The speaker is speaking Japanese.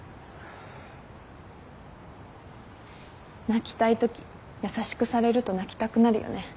泣きたいとき優しくされると泣きたくなるよね。